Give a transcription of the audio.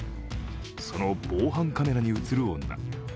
その防犯カメラに映る女。